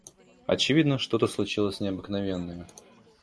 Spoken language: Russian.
Очевидно, что-то случилось необыкновенное.